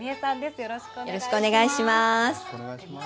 よろしくお願いします。